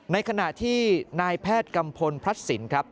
ในขณะที่นายแพทย์กัมพลัดสินครับ